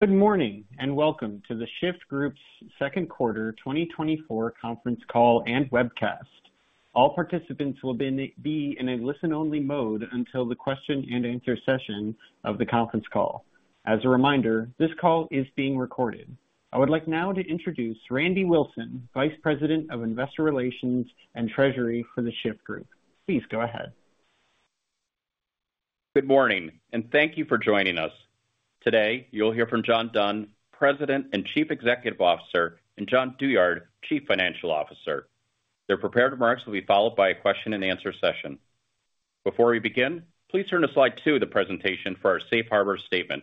Good morning, and welcome to The Shyft Group's Second Quarter 2024 Conference Call and Webcast. All participants will be in a listen-only mode until the question and answer session of the conference call. As a reminder, this call is being recorded. I would like now to introduce Randy Wilson, Vice President of Investor Relations and Treasury for The Shyft Group. Please go ahead. Good morning, and thank you for joining us. Today, you'll hear from John Dunn, President and Chief Executive Officer, and Jon Douyard, Chief Financial Officer. Their prepared remarks will be followed by a question and answer session. Before we begin, please turn to slide two of the presentation for our safe harbor statement.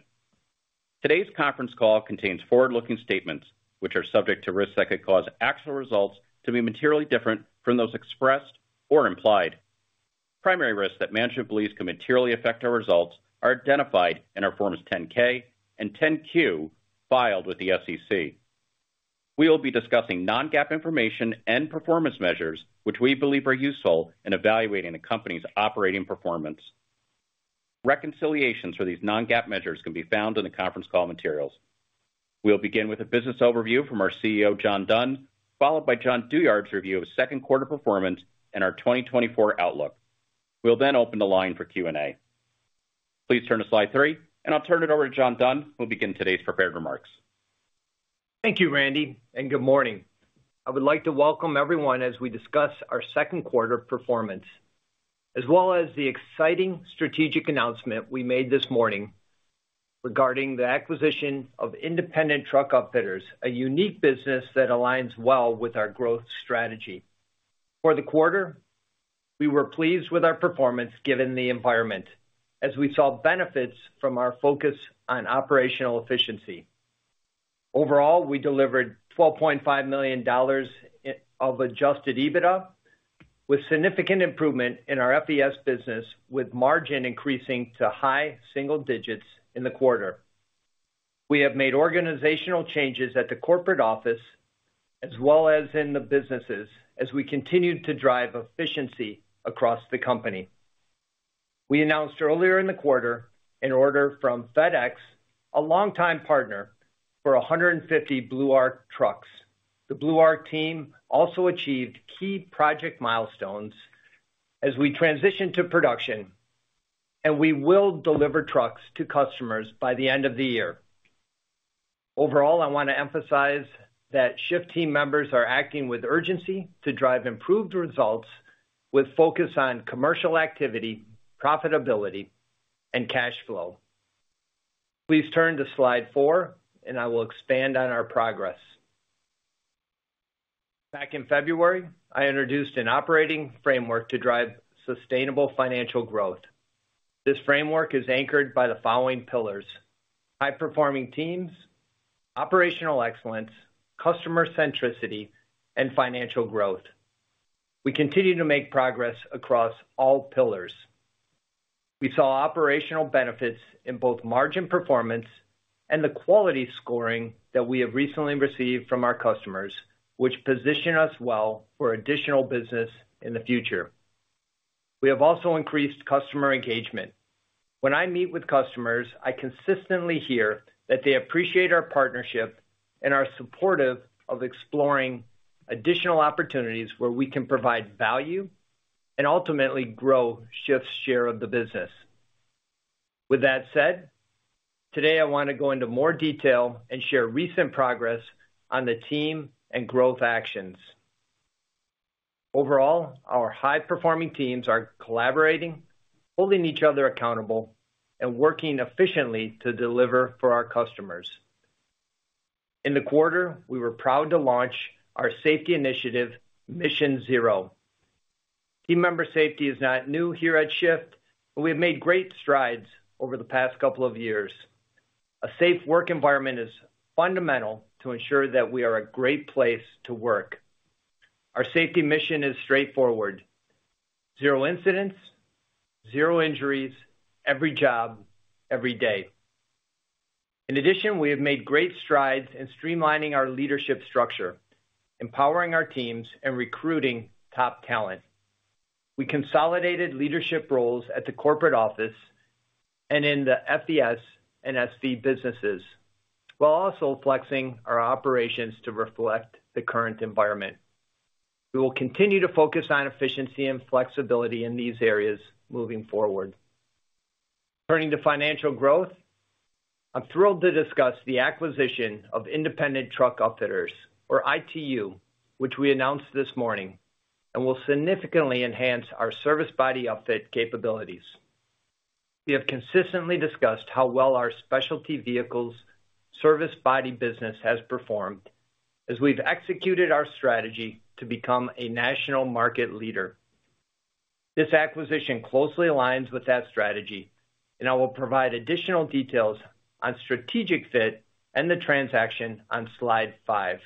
Today's conference call contains forward-looking statements which are subject to risks that could cause actual results to be materially different from those expressed or implied. Primary risks that management believes can materially affect our results are identified in our Form 10-K and Form 10-Q filed with the SEC. We will be discussing non-GAAP information and performance measures, which we believe are useful in evaluating a company's operating performance. Reconciliations for these non-GAAP measures can be found in the conference call materials. We'll begin with a business overview from our CEO, John Dunn, followed by Jon Douyard's review of second quarter performance and our 2024 outlook. We'll then open the line for Q&A. Please turn to slide three, and I'll turn it over to John Dunn, who'll begin today's prepared remarks. Thank you, Randy, and good morning. I would like to welcome everyone as we discuss our second quarter performance, as well as the exciting strategic announcement we made this morning regarding the acquisition of Independent Truck Upfitters, a unique business that aligns well with our growth strategy. For the quarter, we were pleased with our performance, given the environment, as we saw benefits from our focus on operational efficiency. Overall, we delivered $12.5 million of Adjusted EBITDA, with significant improvement in our FVS business, with margin increasing to high single digits in the quarter. We have made organizational changes at the corporate office as well as in the businesses as we continued to drive efficiency across the company. We announced earlier in the quarter an order from FedEx, a longtime partner, for 150 Blue Arc trucks. The Blue Arc team also achieved key project milestones as we transition to production, and we will deliver trucks to customers by the end of the year. Overall, I want to emphasize that Shyft team members are acting with urgency to drive improved results with focus on commercial activity, profitability, and cash flow. Please turn to slide four, and I will expand on our progress. Back in February, I introduced an operating framework to drive sustainable financial growth. This framework is anchored by the following pillars: high-performing teams, operational excellence, customer centricity, and financial growth. We continue to make progress across all pillars. We saw operational benefits in both margin performance and the quality scoring that we have recently received from our customers, which position us well for additional business in the future. We have also increased customer engagement. When I meet with customers, I consistently hear that they appreciate our partnership and are supportive of exploring additional opportunities where we can provide value and ultimately grow Shyft's share of the business. With that said, today I want to go into more detail and share recent progress on the team and growth actions. Overall, our high-performing teams are collaborating, holding each other accountable, and working efficiently to deliver for our customers. In the quarter, we were proud to launch our safety initiative, Mission Zero. Team member safety is not new here at Shyft, but we have made great strides over the past couple of years. A safe work environment is fundamental to ensure that we are a great place to work. Our safety mission is straightforward: zero incidents, zero injuries, every job, every day. In addition, we have made great strides in streamlining our leadership structure, empowering our teams, and recruiting top talent. We consolidated leadership roles at the corporate office and in the FVS and SV businesses, while also flexing our operations to reflect the current environment. We will continue to focus on efficiency and flexibility in these areas moving forward. Turning to financial growth, I'm thrilled to discuss the acquisition of Independent Truck Upfitters, or ITU, which we announced this morning and will significantly enhance our service body upfit capabilities. We have consistently discussed how well our specialty vehicles service body business has performed as we've executed our strategy to become a national market leader. This acquisition closely aligns with that strategy, and I will provide additional details on strategic fit and the transaction on slide five.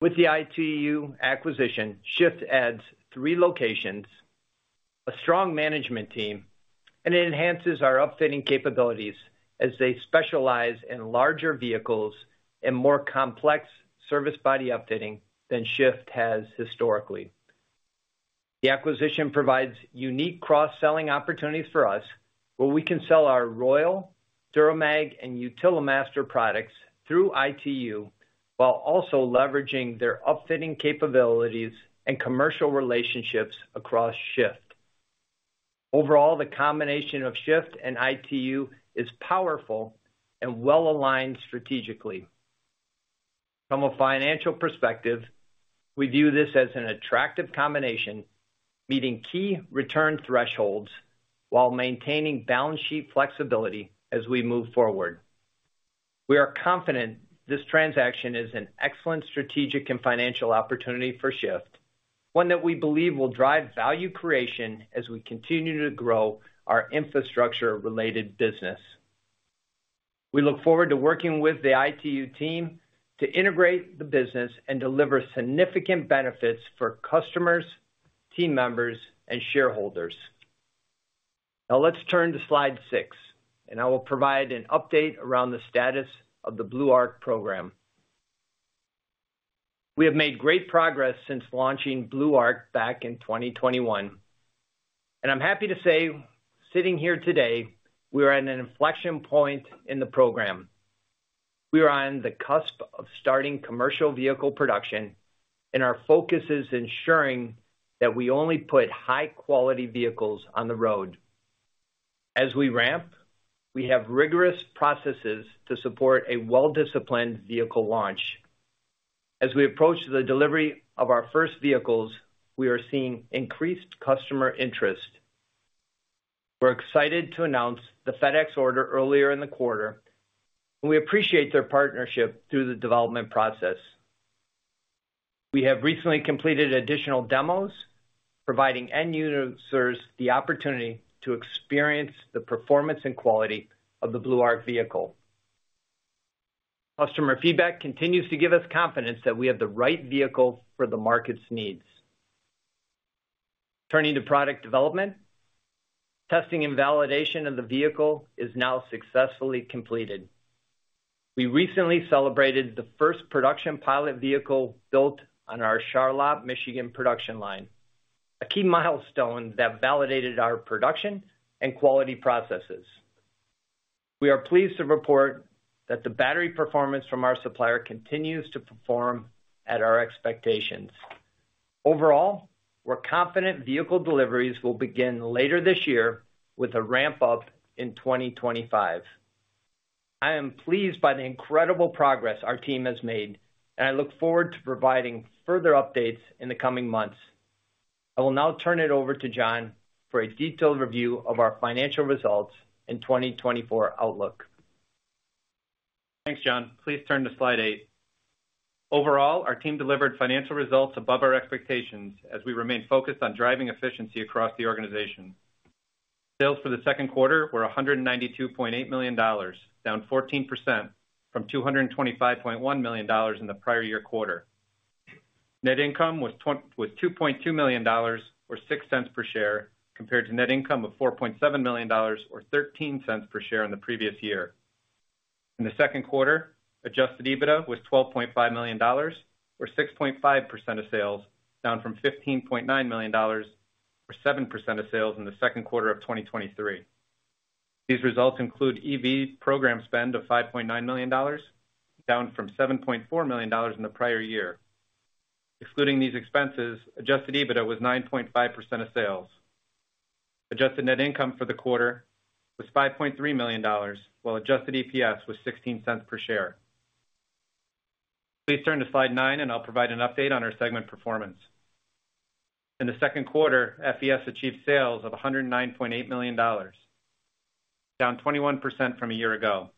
With the ITU acquisition, Shyft adds three locations, a strong management team, and it enhances our upfitting capabilities as they specialize in larger vehicles and more complex service body upfitting than Shyft has historically. The acquisition provides unique cross-selling opportunities for us, where we can sell our Royal, DuraMag, and Utilimaster products through ITU, while also leveraging their upfitting capabilities and commercial relationships across Shyft. Overall, the combination of Shyft and ITU is powerful and well-aligned strategically. From a financial perspective, we view this as an attractive combination, meeting key return thresholds while maintaining balance sheet flexibility as we move forward. We are confident this transaction is an excellent strategic and financial opportunity for Shyft, one that we believe will drive value creation as we continue to grow our infrastructure-related business. We look forward to working with the ITU team to integrate the business and deliver significant benefits for customers, team members, and shareholders. Now let's turn to slide 6, and I will provide an update around the status of the Blue Arc program. We have made great progress since launching Blue Arc back in 2021, and I'm happy to say, sitting here today, we are at an inflection point in the program. We are on the cusp of starting commercial vehicle production, and our focus is ensuring that we only put high-quality vehicles on the road. As we ramp, we have rigorous processes to support a well-disciplined vehicle launch. As we approach the delivery of our first vehicles, we are seeing increased customer interest. We're excited to announce the FedEx order earlier in the quarter, and we appreciate their partnership through the development process. We have recently completed additional demos, providing end users the opportunity to experience the performance and quality of the Blue Arc vehicle. Customer feedback continues to give us confidence that we have the right vehicle for the market's needs. Turning to product development, testing and validation of the vehicle is now successfully completed. We recently celebrated the first production pilot vehicle built on our Charlotte, Michigan, production line, a key milestone that validated our production and quality processes. We are pleased to report that the battery performance from our supplier continues to perform at our expectations. Overall, we're confident vehicle deliveries will begin later this year, with a ramp-up in 2025. I am pleased by the incredible progress our team has made, and I look forward to providing further updates in the coming months. I will now turn it over to Jon for a detailed review of our financial results in 2024 outlook. Thanks, John. Please turn to slide eight. Overall, our team delivered financial results above our expectations as we remain focused on driving efficiency across the organization. Sales for the second quarter were $192.8 million, down 14% from $225.1 million in the prior year quarter. Net income was $2.2 million, or $0.06 per share, compared to net income of $4.7 million, or $0.13 per share in the previous year. In the second quarter, Adjusted EBITDA was $12.5 million, or 6.5% of sales, down from $15.9 million, or 7% of sales in the second quarter of 2023. These results include EV program spend of $5.9 million, down from $7.4 million in the prior year. Excluding these expenses, Adjusted EBITDA was 9.5% of sales. Adjusted net income for the quarter was $5.3 million, while Adjusted EPS was $0.16 per share. Please turn to slide nine, and I'll provide an update on our segment performance. In the second quarter, FVS achieved sales of $109.8 million, down 21% from a year ago.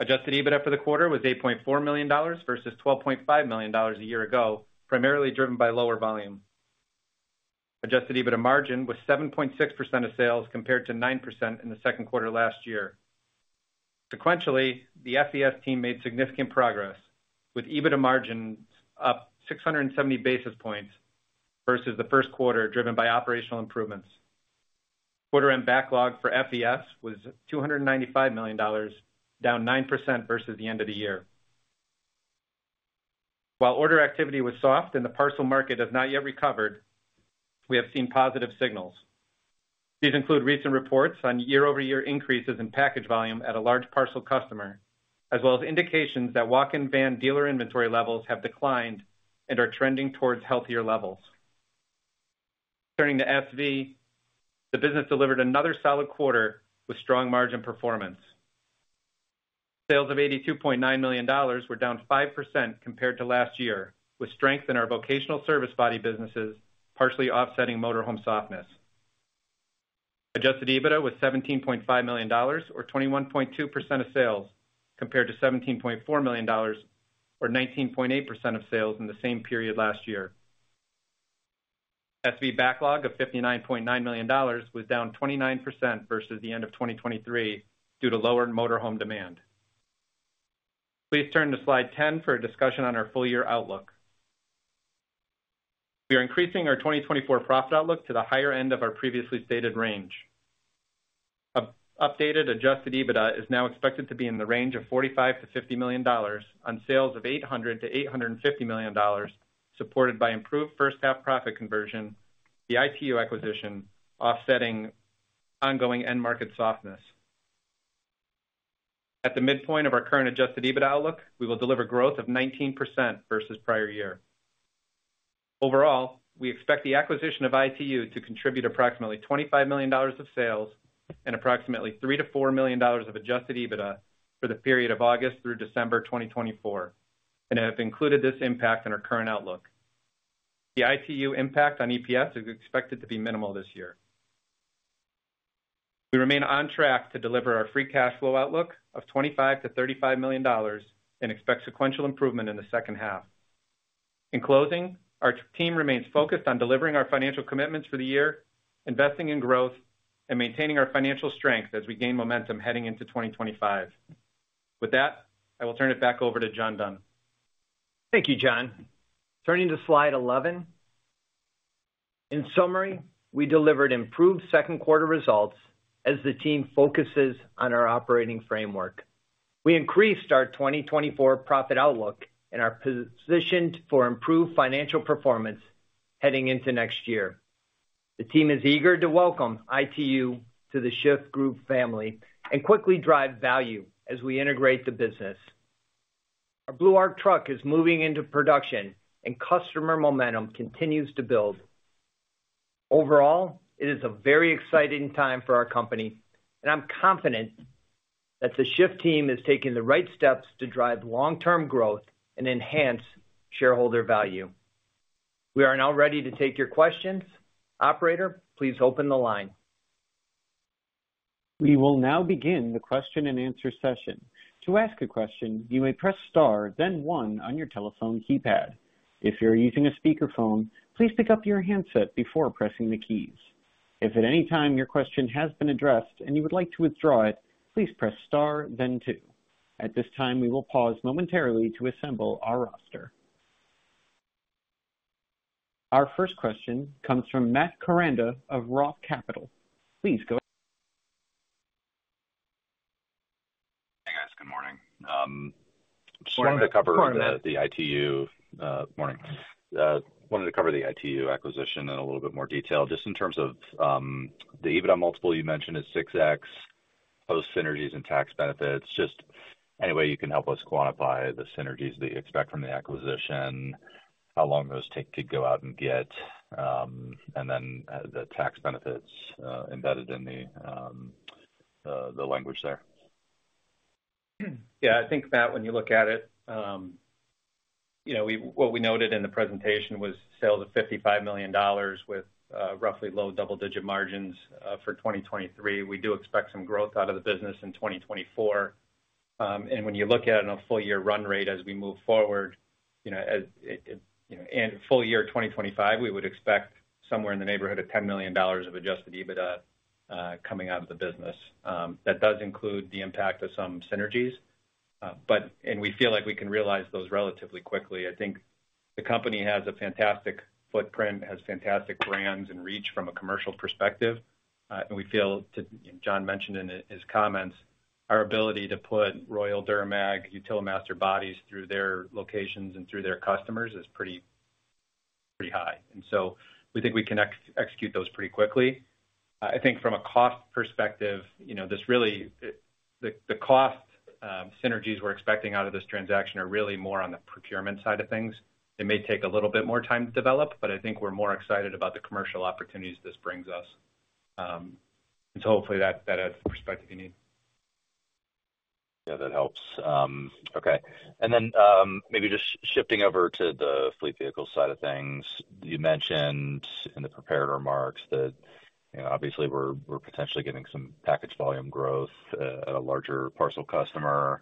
Adjusted EBITDA for the quarter was $8.4 million versus $12.5 million a year ago, primarily driven by lower volume. Adjusted EBITDA margin was 7.6% of sales, compared to 9% in the second quarter last year. Sequentially, the FVS team made significant progress, with EBITDA margins up 670 basis points versus the first quarter, driven by operational improvements. Quarter-end backlog for FVS was $295 million, down 9% versus the end of the year. While order activity was soft and the parcel market has not yet recovered, we have seen positive signals. These include recent reports on year-over-year increases in package volume at a large parcel customer, as well as indications that walk-in van dealer inventory levels have declined and are trending towards healthier levels. Turning to SV, the business delivered another solid quarter with strong margin performance. Sales of $82.9 million were down 5% compared to last year, with strength in our vocational service body businesses, partially offsetting motor home softness. Adjusted EBITDA was $17.5 million, or 21.2% of sales, compared to $17.4 million, or 19.8% of sales in the same period last year. SV backlog of $59.9 million was down 29% versus the end of 2023 due to lower motor home demand. Please turn to slide 10 for a discussion on our full-year outlook. We are increasing our 2024 profit outlook to the higher end of our previously stated range. Updated Adjusted EBITDA is now expected to be in the range of $45 million-$50 million on sales of $800 million-$850 million, supported by improved first half profit conversion, the ITU acquisition, offsetting ongoing end market softness. At the midpoint of our current Adjusted EBIT outlook, we will deliver growth of 19% versus prior year. Overall, we expect the acquisition of ITU to contribute approximately $25 million of sales and approximately $3 million-$4 million of Adjusted EBITDA for the period of August through December 2024, and have included this impact in our current outlook. The ITU impact on EPS is expected to be minimal this year. We remain on track to deliver our free cash flow outlook of $25 million-$35 million and expect sequential improvement in the second half. In closing, our team remains focused on delivering our financial commitments for the year, investing in growth, and maintaining our financial strength as we gain momentum heading into 2025. With that, I will turn it back over to John Dunn. Thank you, Jon. Turning to slide 11. In summary, we delivered improved second quarter results as the team focuses on our operating framework. We increased our 2024 profit outlook and are positioned for improved financial performance heading into next year. The team is eager to welcome ITU to the Shyft Group family and quickly drive value as we integrate the business. Our Blue Arc truck is moving into production, and customer momentum continues to build. Overall, it is a very exciting time for our company, and I'm confident that the Shyft team is taking the right steps to drive long-term growth and enhance shareholder value. We are now ready to take your questions. Operator, please open the line. We will now begin the question-and-answer session. To ask a question, you may press Star, then one on your telephone keypad. If you're using a speakerphone, please pick up your handset before pressing the keys. If at any time your question has been addressed and you would like to withdraw it, please press Star then two. At this time, we will pause momentarily to assemble our roster. Our first question comes from Matt Koranda of Roth Capital. Please go ahead. Hey, guys. Good morning. Morning. Good morning, Matt. Just wanted to cover the ITU acquisition in a little bit more detail. Just in terms of the EBITDA multiple you mentioned is 6x, post synergies and tax benefits. Just any way you can help us quantify the synergies that you expect from the acquisition, how long those take to go out and get, and then the tax benefits embedded in the language there? Yeah, I think, Matt, when you look at it, you know, we- what we noted in the presentation was sales of $55 million with roughly low double-digit margins for 2023. We do expect some growth out of the business in 2024. And when you look at it on a full year run rate as we move forward, you know, as, it, it, you know, in full year 2025, we would expect somewhere in the neighborhood of $10 million of Adjusted EBITDA coming out of the business. That does include the impact of some synergies, but, and we feel like we can realize those relatively quickly. I think the company has a fantastic footprint, has fantastic brands and reach from a commercial perspective, and we feel to... John mentioned in his comments, our ability to put Royal DuraMag, Utilimaster bodies through their locations and through their customers is pretty, pretty high. And so we think we can execute those pretty quickly. I think from a cost perspective, you know, this really, the cost synergies we're expecting out of this transaction are really more on the procurement side of things. It may take a little bit more time to develop, but I think we're more excited about the commercial opportunities this brings us. So hopefully that adds the perspective you need. Yeah, that helps. Okay. And then, maybe just shifting over to the fleet vehicle side of things. You mentioned in the prepared remarks that, you know, obviously, we're, we're potentially getting some package volume growth at a larger parcel customer.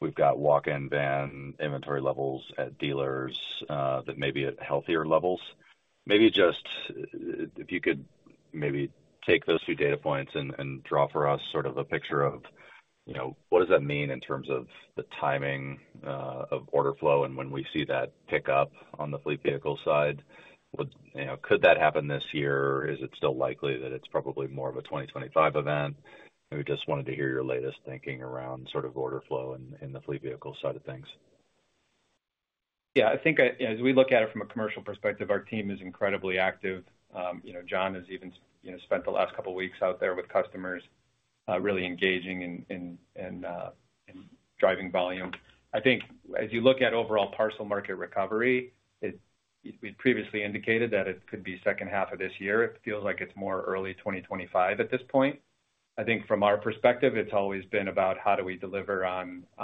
We've got walk-in van inventory levels at dealers that may be at healthier levels. Maybe just if you could maybe take those two data points and draw for us sort of a picture of, you know, what does that mean in terms of the timing of order flow, and when we see that pick up on the fleet vehicle side? Would, you know, could that happen this year, or is it still likely that it's probably more of a 2025 event? We just wanted to hear your latest thinking around sort of order flow in the fleet vehicle side of things. Yeah, I think, as we look at it from a commercial perspective, our team is incredibly active. You know, John has even, you know, spent the last couple of weeks out there with customers, really engaging and driving volume. I think as you look at overall parcel market recovery, we previously indicated that it could be second half of this year. It feels like it's more early 2025 at this point. I think from our perspective, it's always been about how do we deliver on, you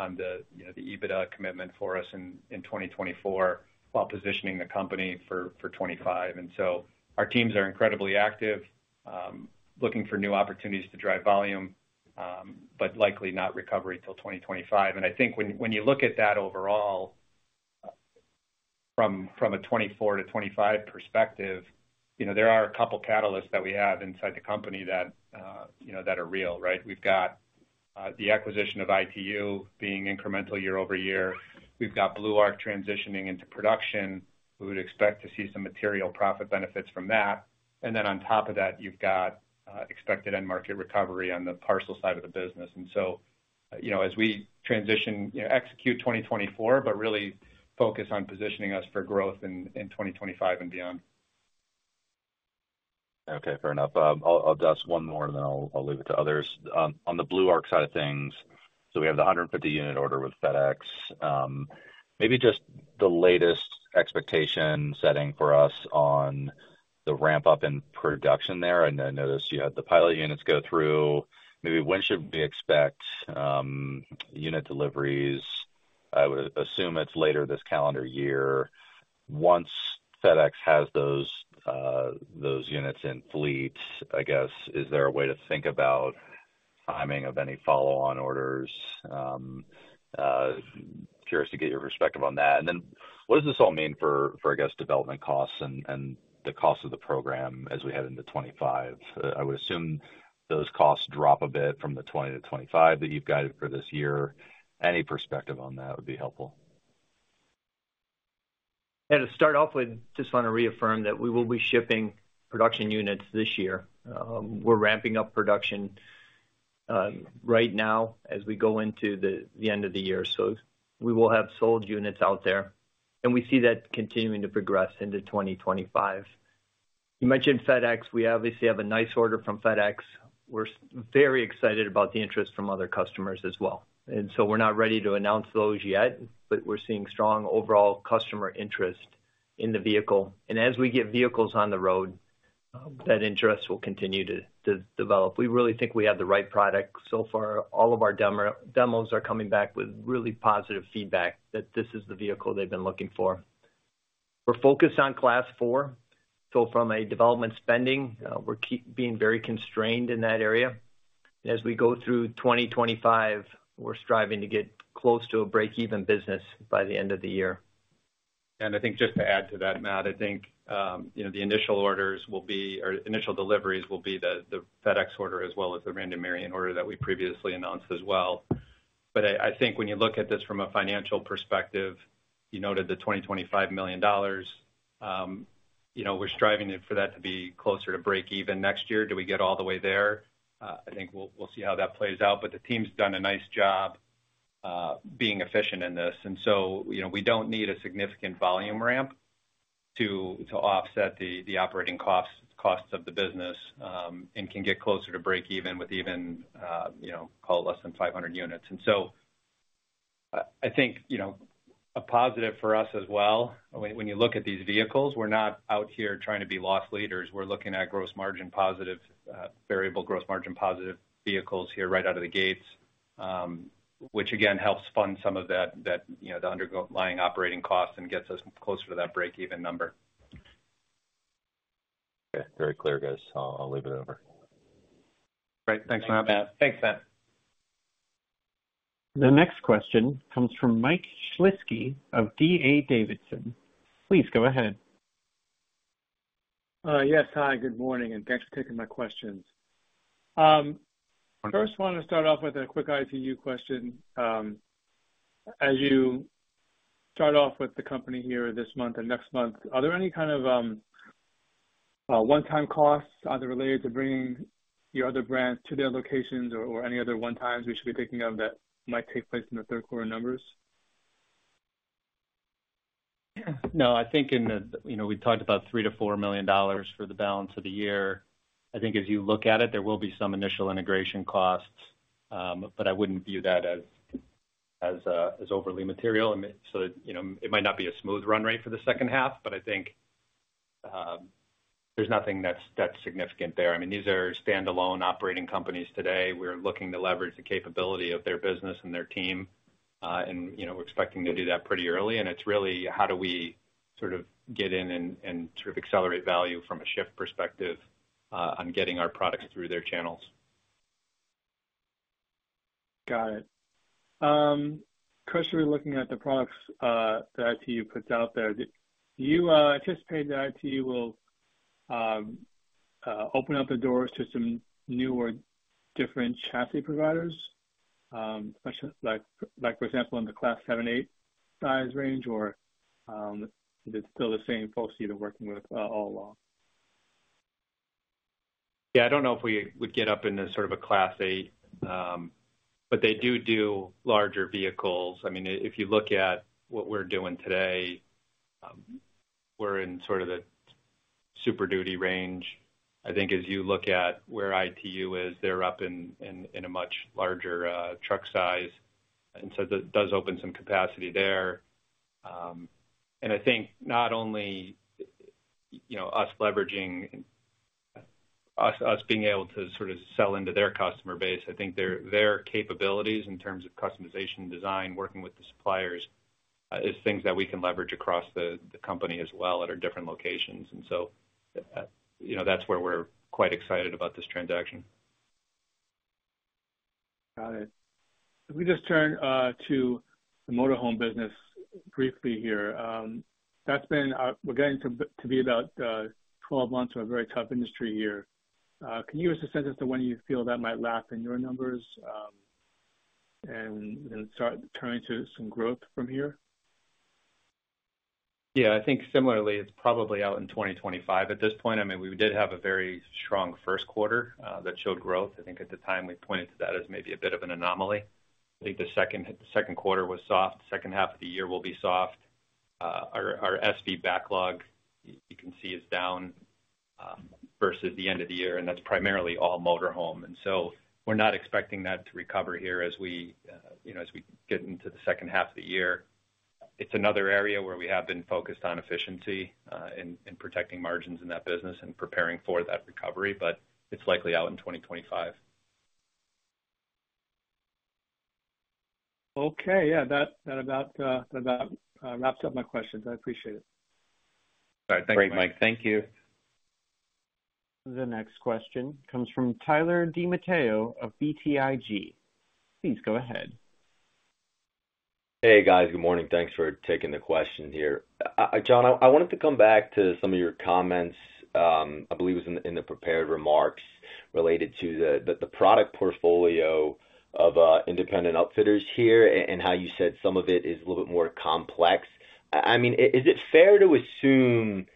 know, the EBITDA commitment for us in 2024, while positioning the company for 2025. And so our teams are incredibly active, looking for new opportunities to drive volume, but likely not recovery till 2025. I think when you look at that overall, from a 2024-2025 perspective, you know, there are a couple of catalysts that we have inside the company that, you know, that are real, right? We've got the acquisition of ITU being incremental year-over-year. We've got Blue Arc transitioning into production. We would expect to see some material profit benefits from that. And then on top of that, you've got expected end market recovery on the parcel side of the business. And so, you know, as we transition, execute 2024, but really focus on positioning us for growth in 2025 and beyond. Okay, fair enough. I'll just one more, and then I'll leave it to others. On the Blue Arc side of things, so we have the 150 unit order with FedEx. Maybe just the latest expectation setting for us on the ramp-up in production there. I know, I noticed you had the pilot units go through. Maybe when should we expect unit deliveries? I would assume it's later this calendar year. Once FedEx has those units in fleet, I guess, is there a way to think about timing of any follow-on orders? Curious to get your perspective on that. And then what does this all mean for development costs and the cost of the program as we head into 2025? I would assume those costs drop a bit from the 20-25 that you've guided for this year. Any perspective on that would be helpful. Yeah, to start off with, just want to reaffirm that we will be shipping production units this year. We're ramping up production right now as we go into the end of the year. So we will have sold units out there, and we see that continuing to progress into 2025. You mentioned FedEx. We obviously have a nice order from FedEx. We're very excited about the interest from other customers as well. And so we're not ready to announce those yet, but we're seeing strong overall customer interest in the vehicle. And as we get vehicles on the road, that interest will continue to develop. We really think we have the right product. So far, all of our demos are coming back with really positive feedback that this is the vehicle they've been looking for. We're focused on Class 4. From a development spending, we're being very constrained in that area. As we go through 2025, we're striving to get close to a break-even business by the end of the year. And I think just to add to that, Matt, I think, you know, the initial orders will be, or initial deliveries will be the, the FedEx order, as well as the Randy Marion order that we previously announced as well. But I, I think when you look at this from a financial perspective, you noted the $25 million. You know, we're striving for that to be closer to break even next year. Do we get all the way there? I think we'll, we'll see how that plays out. But the team's done a nice job, being efficient in this, and so, you know, we don't need a significant volume ramp to, to offset the, the operating costs, costs of the business, and can get closer to break even with even, you know, call it less than 500 units. And so, I think, you know, a positive for us as well, when you look at these vehicles, we're not out here trying to be loss leaders. We're looking at gross margin positive, variable gross margin positive vehicles here right out of the gates, which again, helps fund some of that, you know, the underlying operating costs and gets us closer to that break-even number. Okay, very clear, guys. I'll, I'll leave it over. Great. Thanks, Matt. Thanks, Matt. The next question comes from Mike Shlisky of D.A. Davidson. Please go ahead. Yes, hi, good morning, and thanks for taking my questions. First, want to start off with a quick ITU question. As you start off with the company here this month and next month, are there any kind of one-time costs, either related to bringing your other brands to their locations or any other one-times we should be thinking of that might take place in the third quarter numbers? No, I think in the... You know, we talked about $3 million-$4 million for the balance of the year. I think as you look at it, there will be some initial integration costs, but I wouldn't view that as overly material. I mean, so, you know, it might not be a smooth run rate for the second half, but I think there's nothing that's significant there. I mean, these are standalone operating companies today. We're looking to leverage the capability of their business and their team, and, you know, we're expecting to do that pretty early, and it's really how do we sort of get in and sort of accelerate value from a Shyft perspective, on getting our products through their channels. Got it. [Chris and I], we're looking at the products that ITU puts out there. Do you anticipate that ITU will open up the doors to some new or different chassis providers? Like, for example, in the Class 7, 8 size range, or is it still the same folks you've been working with all along? Yeah, I don't know if we would get up into sort of a Class 8, but they do larger vehicles. I mean, if you look at what we're doing today, we're in sort of the Super Duty range. I think as you look at where ITU is, they're up in a much larger truck size, and so that does open some capacity there. And I think not only, you know, us leveraging us being able to sort of sell into their customer base, I think their capabilities in terms of customization, design, working with the suppliers is things that we can leverage across the company as well at our different locations. And so, you know, that's where we're quite excited about this transaction. Got it. If we just turn to the motor home business briefly here. We're getting to be about 12 months of a very tough industry here. Can you give us a sense as to when you feel that might lap in your numbers, and start turning to some growth from here? Yeah, I think similarly, it's probably out in 2025. At this point, I mean, we did have a very strong first quarter that showed growth. I think at the time, we pointed to that as maybe a bit of an anomaly. I think the second quarter was soft. Second half of the year will be soft. Our SV backlog, you can see, is down versus the end of the year, and that's primarily all motor home. And so we're not expecting that to recover here as we, you know, as we get into the second half of the year. It's another area where we have been focused on efficiency in protecting margins in that business and preparing for that recovery, but it's likely out in 2025. Okay. Yeah, that about wraps up my questions. I appreciate it. All right. Thank you. Great, Mike. Thank you. The next question comes from Tyler DiMatteo of BTIG. Please go ahead. Hey, guys. Good morning. Thanks for taking the question here. John, I wanted to come back to some of your comments. I believe it was in the prepared remarks, related to the product portfolio of Independent Truck Upfitters here, and how you said some of it is a little bit more complex. I mean, is it fair to assume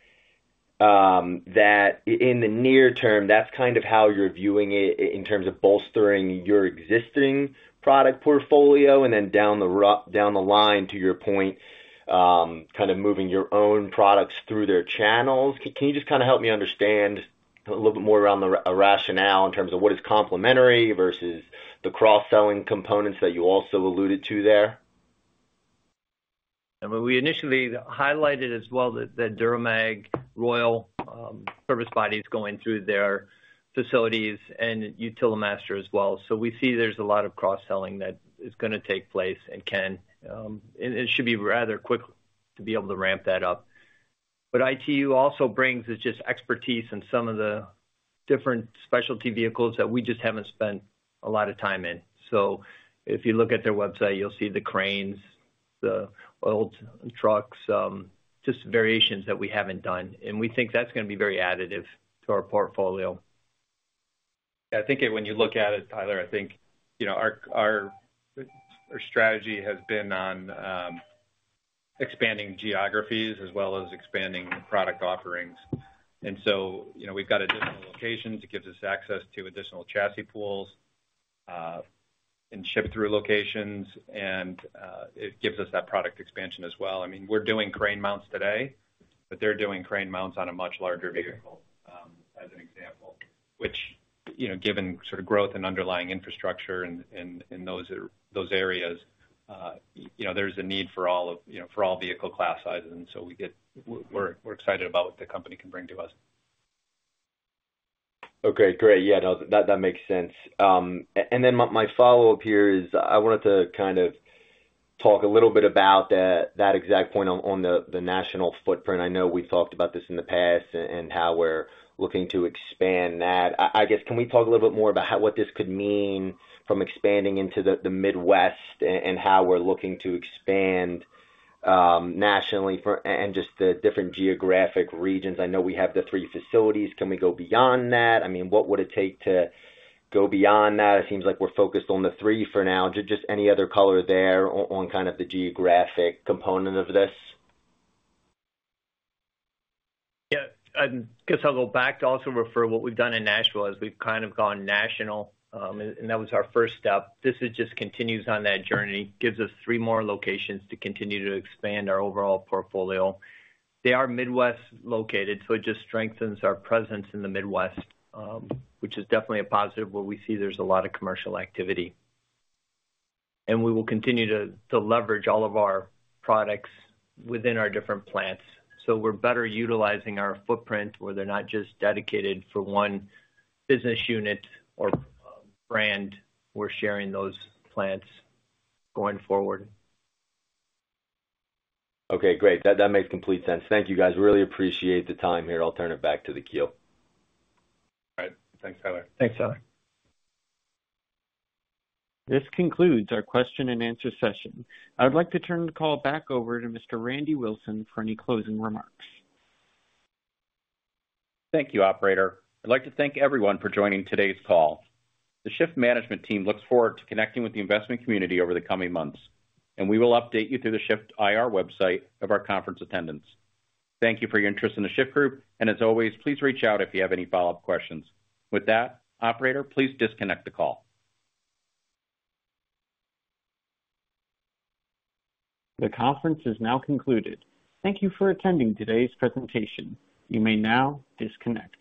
that in the near term, that's kind of how you're viewing it in terms of bolstering your existing product portfolio and then down the line, to your point, kind of moving your own products through their channels? Can you just kind of help me understand a little bit more around the rationale in terms of what is complementary versus the cross-selling components that you also alluded to there? When we initially highlighted as well that DuraMag Royal service body is going through their facilities and Utilimaster as well. So we see there's a lot of cross-selling that is gonna take place and can. It should be rather quick to be able to ramp that up. But ITU also brings us just expertise in some of the different specialty vehicles that we just haven't spent a lot of time in. So if you look at their website, you'll see the cranes, the old trucks, just variations that we haven't done, and we think that's gonna be very additive to our portfolio. I think when you look at it, Tyler, I think, you know, our strategy has been on expanding geographies as well as expanding product offerings. And so, you know, we've got additional locations. It gives us access to additional chassis pools and ship through locations, and it gives us that product expansion as well. I mean, we're doing crane mounts today, but they're doing crane mounts on a much larger vehicle as an example, which, you know, given sort of growth and underlying infrastructure in those areas, you know, there's a need for all vehicle class sizes, and so we're excited about what the company can bring to us. Okay, great. Yeah, no, that, that makes sense. And then my follow-up here is I wanted to kind of talk a little bit about that, that exact point on the national footprint. I know we've talked about this in the past and how we're looking to expand that. I guess, can we talk a little bit more about how... what this could mean from expanding into the Midwest and how we're looking to expand nationally and just the different geographic regions? I know we have the three facilities. Can we go beyond that? I mean, what would it take to go beyond that? It seems like we're focused on the three for now. Just any other color there on kind of the geographic component of this? Yeah, I guess I'll go back to also refer what we've done in Nashville, as we've kind of gone national, and that was our first step. This is just continues on that journey, gives us three more locations to continue to expand our overall portfolio. They are Midwest located, so it just strengthens our presence in the Midwest, which is definitely a positive, where we see there's a lot of commercial activity. And we will continue to leverage all of our products within our different plants, so we're better utilizing our footprint, where they're not just dedicated for one business unit or, brand. We're sharing those plants going forward. Okay, great. That, that makes complete sense. Thank you, guys. Really appreciate the time here. I'll turn it back to the queue. All right. Thanks, Tyler. Thanks, Tyler. This concludes our question and answer session. I'd like to turn the call back over to Mr. Randy Wilson for any closing remarks. Thank you, operator. I'd like to thank everyone for joining today's call. The Shyft management team looks forward to connecting with the investment community over the coming months, and we will update you through the Shyft IR website of our conference attendance. Thank you for your interest in The Shyft Group, and as always, please reach out if you have any follow-up questions. With that, operator, please disconnect the call. The conference is now concluded. Thank you for attending today's presentation. You may now disconnect.